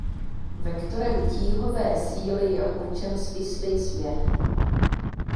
Vektorem tíhové síly je určen svislý směr.